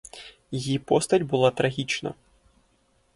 Її постать була трагічна.